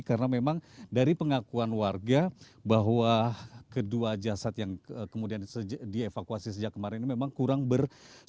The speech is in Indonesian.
karena memang dari pengakuan warga bahwa kedua jasad yang kemudian dievakuasi sejak kemarin memang kurang bersebut